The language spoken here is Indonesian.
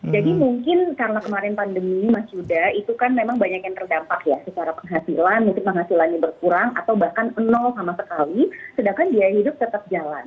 jadi mungkin karena kemarin pandemi mas yuda itu kan memang banyak yang terdampak ya secara penghasilan mungkin penghasilannya berkurang atau bahkan nol sama sekali sedangkan dia hidup tetap jalan